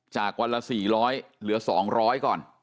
จากวันละสี่ร้อยเหลือสองร้อยก่อน